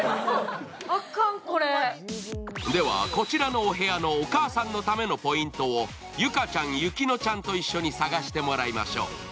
ではこちらのお部屋のお母さんのためのポイントをゆかちゃん、ゆきのちゃんと一緒に探してもらいましょう。